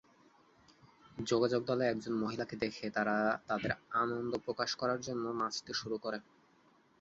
যোগাযোগ দলে একজন মহিলাকে দেখে তারা তাদের আনন্দ প্রকাশ করার জন্য নাচতে শুরু করে।